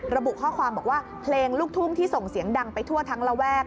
ระบุข้อความบอกว่าเพลงลูกทุ่งที่ส่งเสียงดังไปทั่วทั้งระแวก